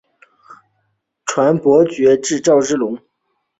传伯爵至赵之龙。